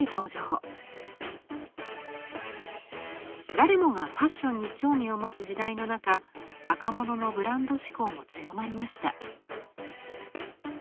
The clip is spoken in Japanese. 誰もがファッションに興味を持つ時代の中若者のブランド志向も強まりました。